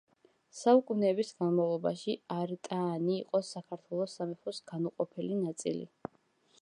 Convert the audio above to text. საუკუნეების განმავლობაში არტაანი იყო საქართველოს სამეფოს განუყოფელი ნაწილი.